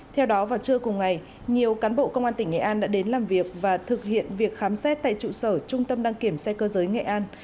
theo đó vào trưa cùng ngày nhiều cán bộ công an tỉnh nghệ an đã đến làm việc và thực hiện việc khám xét tại trụ sở trung tâm đăng kiểm xe cơ giới nghệ an